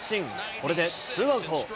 これでツーアウト。